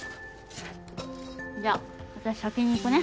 じゃあ私先に行くね。